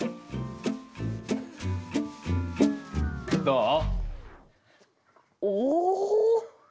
どう？